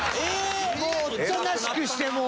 おとなしくしてもう。